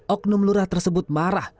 oknum lura tersebut marah